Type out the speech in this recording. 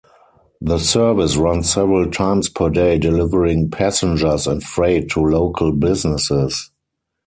The service runs several times per day delivering passengers and freight to local businesses.